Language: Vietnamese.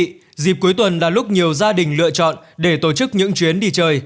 thưa quý vị dịp cuối tuần là lúc nhiều gia đình lựa chọn để tổ chức những chuyến đi chơi